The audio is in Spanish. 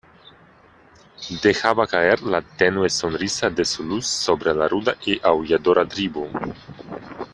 dejaba caer la tenue sonrisa de su luz sobre la ruda y aulladora tribu.